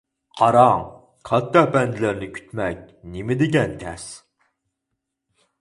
قاراڭ، كاتتا ئەپەندىلەرنى كۈتمەك نېمىدېگەن تەس!